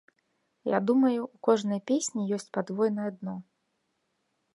Я думаю, у кожнай песні ёсць падвойнае дно.